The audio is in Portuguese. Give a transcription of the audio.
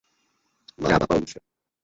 Marabá Paulista